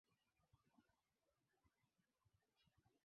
serikali haitarajiwi kukiuka makubaliano yaliyowekwa